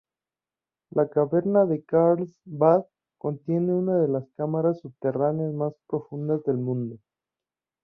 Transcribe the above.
La caverna de Carlsbad contiene una de las cámaras subterráneas más profundas del mundo.